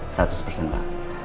satus persen pak